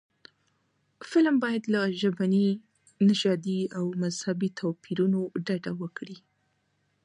فلم باید له ژبني، نژادي او مذهبي توپیرونو ډډه وکړي